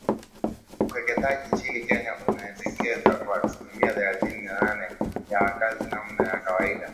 Ukeketaji nchini Kenya unatekelezwa kwa asilimia thelathini na nane ya wakazi Namna ya kawaida